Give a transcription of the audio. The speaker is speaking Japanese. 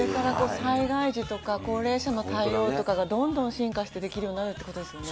災害時とか、高齢者の対応とかが、どんどん進化してできるようになるってことですよね。